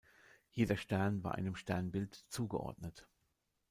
Jeder Stern war einem Sternbild zugeordnet.